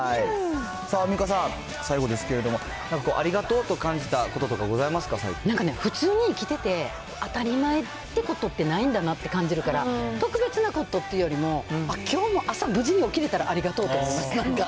さあ、アンミカさん、最後ですけれども、ありがとうと感じたことなんか、普通に生きてて当たり前ってことってないんだなって感じるから、特別なことっていうよりも、あっ、きょうも朝、無事に起きれたらありがとうって思います、なんか。